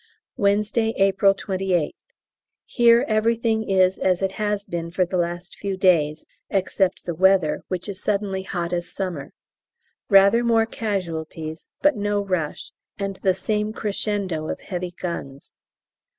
Wednesday, April 28th. Here everything is as it has been for the last few days (except the weather, which is suddenly hot as summer), rather more casualties, but no rush, and the same crescendo of heavy guns.